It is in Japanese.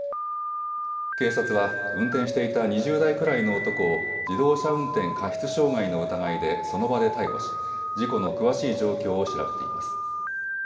警察は運転していた２０代くらいの男を自動車運転過失傷害の疑いでその場で逮捕し事故の詳しい状況を調べています。